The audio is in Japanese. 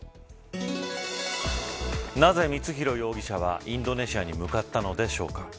なぜ光弘容疑者はインドネシアに向かったのでしょうか。